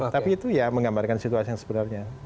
tapi itu ya menggambarkan situasi yang sebenarnya